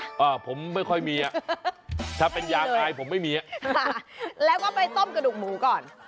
อ่าผมไม่ค่อยมีอ่ะถ้าเป็นยางอายผมไม่มีอ่ะค่ะแล้วก็ไปต้มกระดูกหมูก่อน